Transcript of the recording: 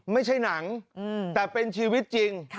ไม่ใช่หนังแต่เป็นชีวิตจริง